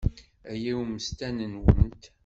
Aya i ummesten-nwent.